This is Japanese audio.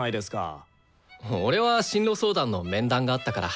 俺は進路相談の面談があったから。